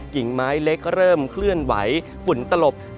หญิงไม้เล็กเริ่มเคลื่อนไหวฝุ่นตลบ